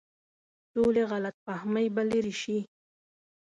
ټولې غلط فهمۍ به لرې شي.